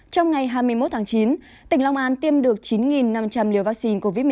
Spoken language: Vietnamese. trong ngày hai mươi một tháng chín tỉnh long an tiêm được chín năm trăm linh liều vaccine covid một mươi chín